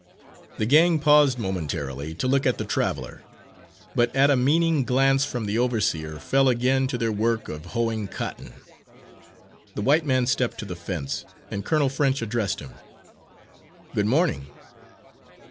The gang paused momentarily to look at the traveller, but at a meaning glance from the overseer fell again to their work of hoeing cotton. The white man stepped to the fence, and Colonel French addressed him. "Good morning."